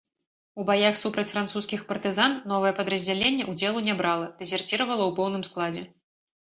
У баях супраць французскіх партызан новае падраздзяленне ўдзелу не брала, дэзерціравала ў поўным складзе.